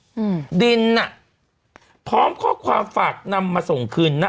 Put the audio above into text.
อืมดินอ่ะพร้อมข้อความฝากนำมาส่งคืนน่ะ